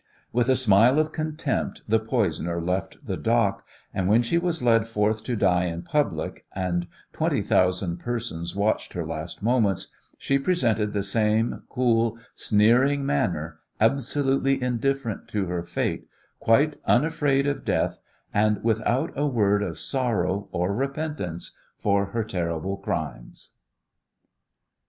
With a smile of contempt the poisoner left the dock and when she was led forth to die in public, and twenty thousand persons watched her last moments, she presented the same cool, sneering manner, absolutely indifferent to her fate, quite unafraid of death, and without a word of sorrow or repentance for her terrible crimes.